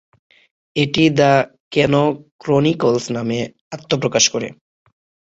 এটি "the Kane chronicles" নামে আত্মপ্রকাশ করে।